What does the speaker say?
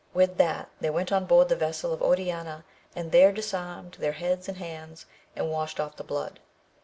With that they went on board the vessel of Oriana, and there disarmed their heads and hands, and washed off the blood.